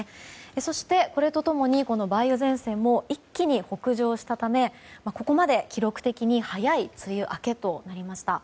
そして、これと共に梅雨前線も一気に北上したためここまで記録的に早い梅雨明けとなりました。